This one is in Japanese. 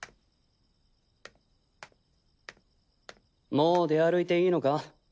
もう出歩いていいのか？